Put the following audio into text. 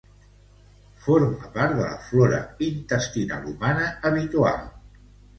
Forma part de la flora intestinal humana habitual.